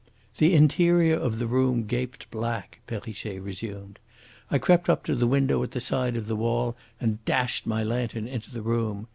"The interior of the room gaped black," Perrichet resumed. "I crept up to the window at the side of the wall and flashed my lantern into the room.